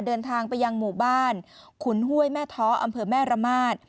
เดินทางไปยังหมู่บ้านขุนห้วยแม่ท้ออำเภอแม่ระมาท